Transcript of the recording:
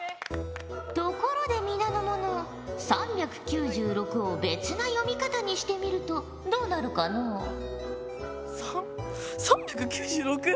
ところで皆の者３９６を別な読み方にしてみるとどうなるかのう？という。